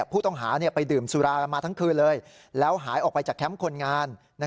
ผู้ต้องหาไปดื่มสุรากันมาทั้งคืนเลยแล้วหายออกไปจากแคมป์คนงาน